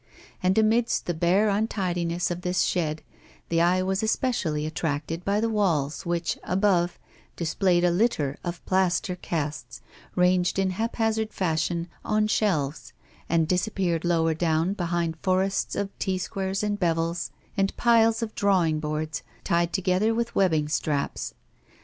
And amidst the bare untidiness of this shed, the eye was especially attracted by the walls which, above, displayed a litter of plaster casts ranged in haphazard fashion on shelves, and disappeared lower down behind forests of T squares and bevels, and piles of drawing boards, tied together with webbing straps.